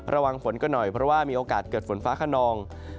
ระวังฝนก็หน่อยเพราะว่ามีโอกาสเกิดฝนฟ้าขนอง